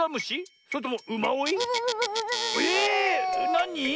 なに？